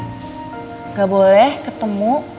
enggak boleh ketemu